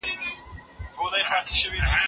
د ماشومانو لاسونه پاک وساتئ.